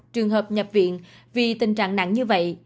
trường hợp nhập viện vì tình trạng nặng như vậy